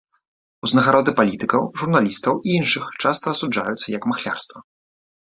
Узнагароды палітыкаў, журналістаў, і іншых часта асуджаліся як махлярства.